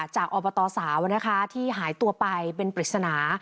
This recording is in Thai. อบตสาวที่หายตัวไปเป็นปริศนา